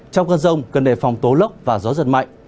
trong cơn rông cần đề phòng tố lốc và gió giật mạnh